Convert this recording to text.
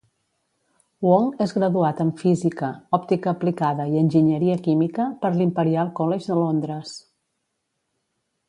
Wong és graduat en Física, Òptica Aplicada i Enginyeria Química per l'Imperial College de Londres.